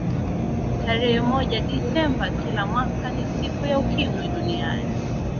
tarehe moja desemba kila mwaka ni siku ya ukimwi duniani